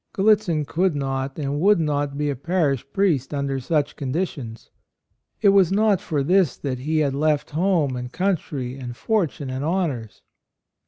, Gal litzin could not and would not be a parish priest under such conditions. It was not for this that he had left home and country and fortune and honors.